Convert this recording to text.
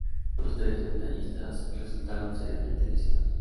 Otros tres montañistas resultaron seriamente lesionados.